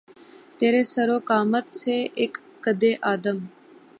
تیرے سرو قامت سے، اک قّدِ آدم